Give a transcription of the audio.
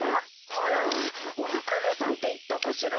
あらワカメさんっていったかしら。